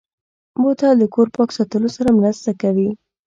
بوتل د کور پاک ساتلو سره مرسته کوي.